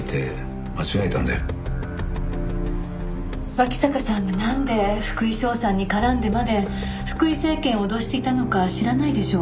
脇坂さんがなんで福井翔さんに絡んでまで福井精研を脅していたのか知らないでしょう？